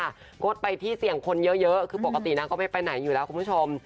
งดไปที่เสี่ยงคนเยอะคือปกตินางก็ไม่ไปไหนอยู่แล้วคุณผู้ชม